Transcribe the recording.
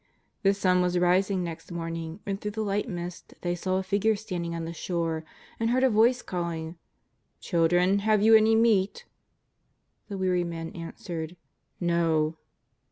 The sun was rising next morning when, through the light mist, they saw a Figure standing on the shore, and heard a Voice calling: " Children, have you any meat V The weary men answered :" iSTo."